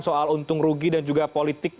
soal untung rugi dan juga politik